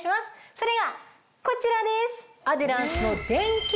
それがこちらです！